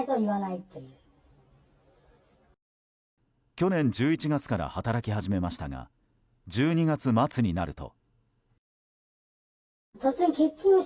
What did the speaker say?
去年１１月から働き始めましたが１２月末になると。